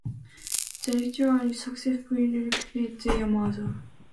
The rituals successfully resurrect their mother.